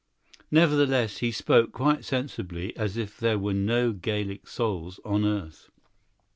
Nevertheless, he spoke quite sensibly, as if there were no Gaelic souls on earth.